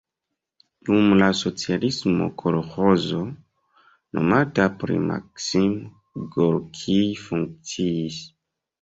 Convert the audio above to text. Dum la socialismo kolĥozo nomata pri Maksim Gorkij funkciis.